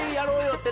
って。